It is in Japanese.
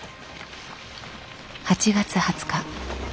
８月２０日。